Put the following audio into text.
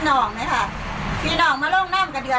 อ๋อเจ้าสีสุข่าวของสิ้นพอได้ด้วย